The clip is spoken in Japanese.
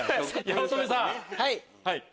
八乙女さん。